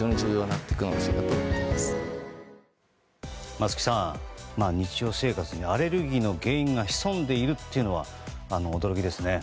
松木さん、日常生活にアレルギーの原因が潜んでいるというのは驚きですね。